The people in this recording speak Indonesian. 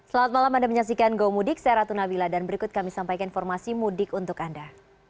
selamat malam anda menyaksikan go mudik saya ratu nabila dan berikut kami sampaikan informasi mudik untuk anda